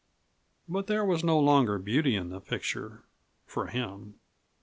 But there was no longer beauty in the picture for him.